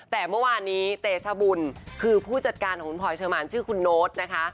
แต่เมื่อวานนี้เตชบุญคือผู้จัดการของคุณพลอยเชอร์มานชื่อคุณโน๊ตนะคะ